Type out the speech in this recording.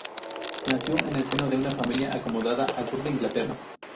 Nació en el seno de una familia acomodada, al sur de Inglaterra.